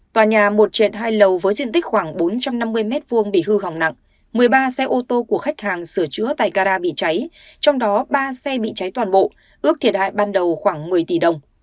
tòa nhà một trện hai lầu với diện tích khoảng bốn trăm năm mươi m hai bị hư hỏng nặng một mươi ba xe ô tô của khách hàng sửa chữa tại cara bị cháy trong đó ba xe bị cháy toàn bộ ước thiệt hại ban đầu khoảng một mươi tỷ đồng